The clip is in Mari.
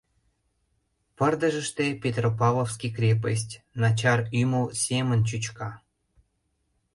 Пырдыжыште Петропавловский крепость начар ӱмыл семын чӱчка.